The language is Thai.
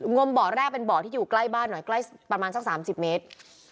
มบ่อแรกเป็นบ่อที่อยู่ใกล้บ้านหน่อยใกล้ประมาณสัก๓๐เมตร